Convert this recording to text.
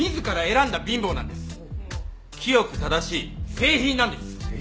清く正しい清貧なんです。